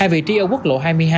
hai vị trí ở quốc lộ hai mươi hai